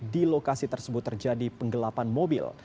di lokasi tersebut terjadi penggelapan mobil